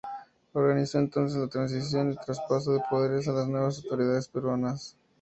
Organizó entonces la transición y el traspaso de poderes a las nuevas autoridades peruanas.